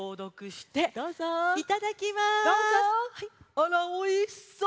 あらおいしそう！